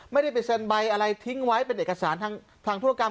ไม่ได้ไปเซ็นใบอะไรทิ้งไว้เป็นเอกสารทางธุรกรรม